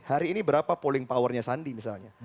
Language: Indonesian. hari ini berapa polling power nya sandi misalnya